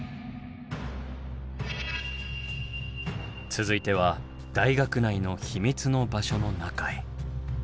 続いては大学内の秘密の場所の中へ。